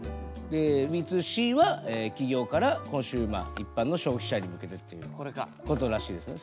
Ｂ２Ｃは企業からコンシューマー一般の消費者に向けてっていうことらしいですね。